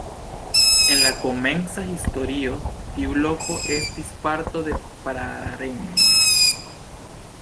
En la komenca historio tiu loko estis parto de praa regno.